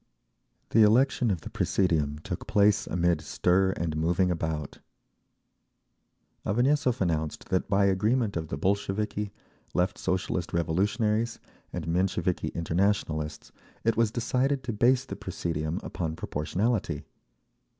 The election of the presidium took place amid stir and moving about. Avanessov announced that by agreement of the Bolsheviki, Left Socialist Revolutionaries and Mensheviki Internationalists, it was decided to base the presidium upon proportionality.